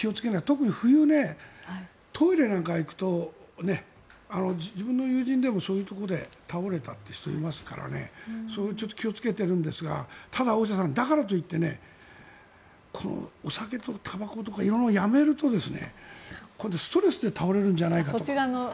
特に冬、トイレなんか行くとね自分の友人でもそういうところで倒れたって人がいますからそういうのでちょっと気をつけているんですがただ、大下さんだからといってねお酒とたばことか色々やめると今度、ストレスで倒れるんじゃないかと。